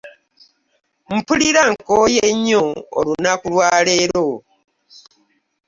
Mpulira nkooye nnyo olunaku lwa leero.